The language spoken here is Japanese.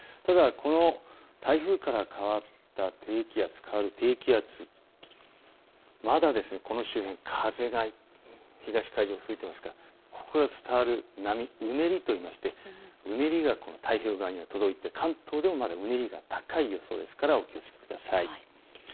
ただ台風から変わった低気圧、まだこの周辺、東海上吹いていますからここから伝わる波うねりといいまして、うねりが太平洋側には届いて関東でもまだうねりが高い予想ですからお気をつけください。